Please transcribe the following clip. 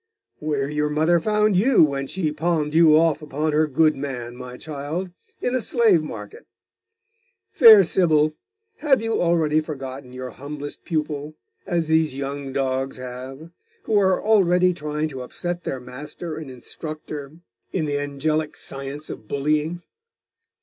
'Where your mother found you when she palmed you off upon her goodman, my child in the slave market. Fair Sybil, have you already forgotten your humblest pupil, as these young dogs have, who are already trying to upset their master and instructor in the angelic science of bullying?